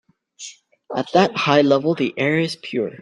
At that high level the air is pure.